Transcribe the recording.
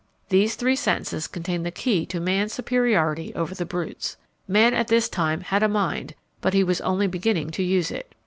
_" These three sentences contain the key to man's superiority over the brutes. Man at this time had a mind, but he was only beginning to use it.